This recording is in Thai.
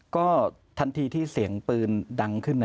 ก็ทันทีที่เสียงปืนดังขึ้น